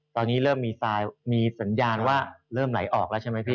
ตอนนี้เริ่มมีทรายมีสัญญาณว่าเริ่มไหลออกแล้วใช่ไหมพี่